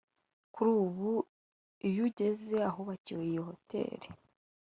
Kuri ubu iyo ugeze ahubakwa iyi hoteli